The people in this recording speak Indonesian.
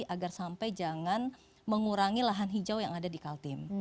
agar sampai jangan mengurangi lahan hijau yang ada di kaltim